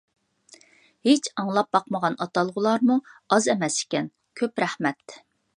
ھېچ ئاڭلاپ باقمىغان ئاتالغۇلارمۇ ئاز ئەمەس ئىكەن. كۆپ رەھمەت.